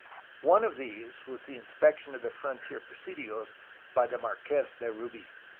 One of these was the inspection of the frontier presidios by the Marques de Rubi.